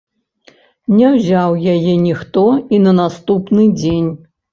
Не ўзяў яе ніхто і на наступны дзень.